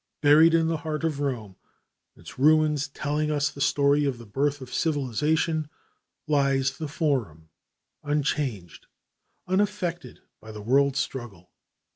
Buried in the heart of Rome, its ruins telling us the story of the birth of civilization, lies the Forum, unchanged, unaffected by the world struggle.